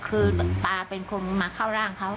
คือตาเป็นคนมาเข้าร่างเขา